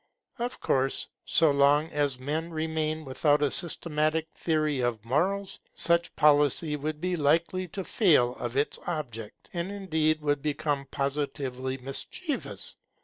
Of course, so long as men remain without a systematic theory of morals, such policy would be likely to fail of its object, and indeed would become positively mischievous.